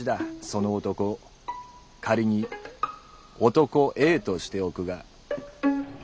その男仮に「男Ａ」としておくが。